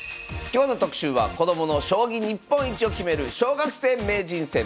今日の特集は子供の将棋日本一を決める小学生名人戦。